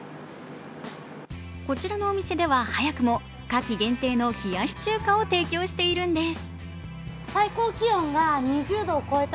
こちらのお店では早くも夏季限定の冷やし中華を提供しているんです。